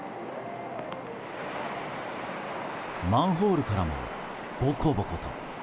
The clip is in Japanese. マンホールからもボコボコと。